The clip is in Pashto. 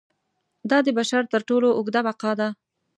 دا د بشر تر ټولو اوږده بقا ده.